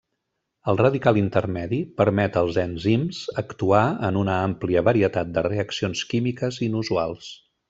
El radical intermedi permet als enzims actuar en una àmplia varietat de reaccions químiques inusuals.